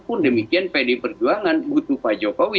pun demikian pdi perjuangan butuh pak jokowi